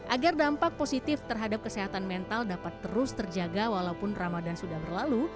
agar dampak positif terhadap kesehatan mental dapat terus terjaga walaupun ramadan sudah berlalu